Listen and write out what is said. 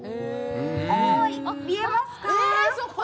おーい、見えますか？